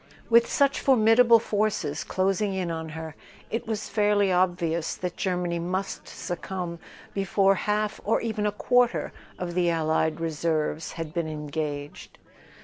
With such formidable forces closing in on her it was fairly obvious that Germany must succumb before half or even a quarter of the allied reserves had been engaged.